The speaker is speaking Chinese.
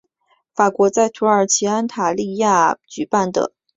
法国在土耳其安塔利亚举办的射箭世界杯上获得男子团体和个人的奥运席位。